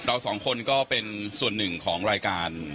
เราสองคนก็เป็นส่วนหนึ่งของรายการ